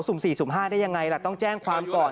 สุ่ม๔สุ่ม๕ได้ยังไงล่ะต้องแจ้งความก่อน